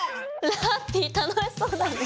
ラッピィ楽しそうだねえ！